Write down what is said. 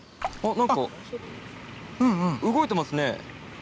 何か動いてますね。